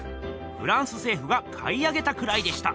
フランス政府が買い上げたくらいでした。